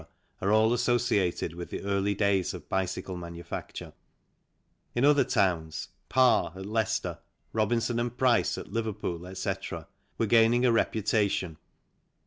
are all associated with the early days of bicycle manufacture. In other towns, Parr, at Leicester, Robinson and THE CYCLE INDUSTRY Price, at Liverpool, etc., were gaining a reputation.